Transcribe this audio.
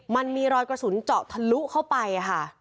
มันมีรอยกระสุนเจาะทะลุเข้าไปค่ะ